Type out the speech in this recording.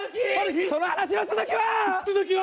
その話の続きは！